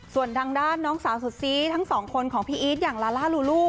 ส่วนทางด้านน้องสาวสุดซีทั้งสองคนของพี่อีทอย่างลาล่าลูลู